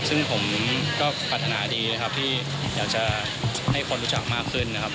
ซึ่งผมก็ปรารถนาดีนะครับที่อยากจะให้คนรู้จักมากขึ้นนะครับ